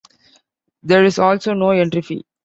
There is also no entry fee.